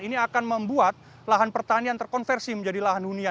ini akan membuat lahan pertanian terkonversi menjadi lahan dunia